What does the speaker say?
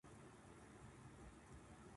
日本人は麺を啜るのが上手だ